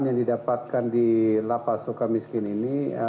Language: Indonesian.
yang didapatkan di lapas suka miskin ini